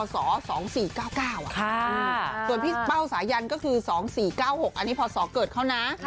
ส่วนพี่เป้าสายันก็คือ๒๔๙๖อันนี้พศเกิดเขานะ